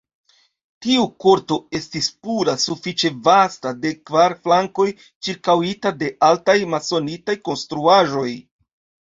Tiu korto estis pura, sufiĉe vasta, de kvar flankoj ĉirkaŭita de altaj masonitaj konstruaĵoj.